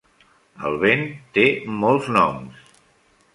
El vent té molts noms.